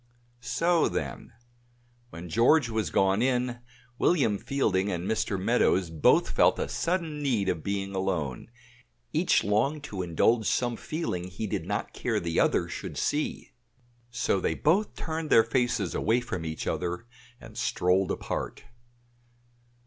So then; when George was gone in, William Fielding and Mr. Meadows both felt a sudden need of being alone; each longed to indulge some feeling he did not care the other should see; so they both turned their faces away from each other and strolled apart.